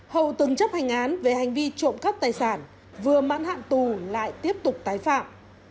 hậu từng chấp hành án về hành vi trộm cắp tài sản vừa mãn hạn tù lại tiếp tục tái phạm